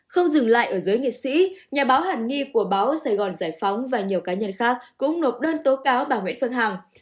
không dừng lại ở giới nghệ sĩ nhà báo hàn ni của báo sài gòn giải phóng và nhiều cá nhân khác cũng nộp đơn tố cáo bà nguyễn phương hằng